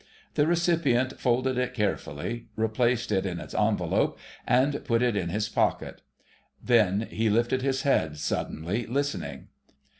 The recipient folded it carefully, replaced it in its envelope, and put it in his pocket. Then he lifted his head suddenly, listening....